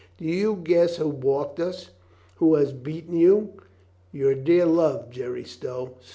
"Do you guess who balked us? Who has beaten you? Your dear love, Jerry Stow."